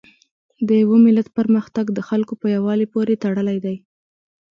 د یو ملت پرمختګ د خلکو په یووالي پورې تړلی دی.